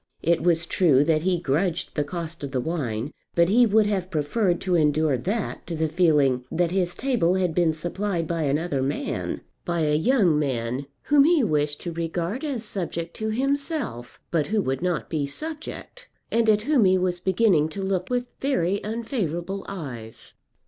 It was true that he grudged the cost of the wine; but he would have preferred to endure that to the feeling that his table had been supplied by another man, by a young man whom he wished to regard as subject to himself, but who would not be subject, and at whom he was beginning to look with very unfavourable eyes.